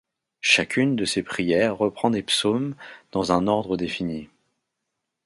Chacune de ces prières reprend des psaumes dans un ordre défini.